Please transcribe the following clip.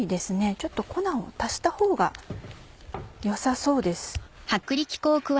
ちょっと粉を足したほうが良さそうです。